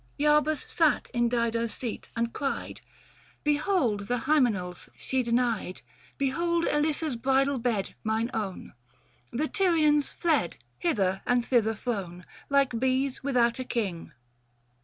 Iarbas sat in Dido's seat and cried " Behold the Hymeneals she denied : 600 Behold Elissa's bridal bed mine own ; The Tyrians fled, hither and thither flown, Like bees without a king."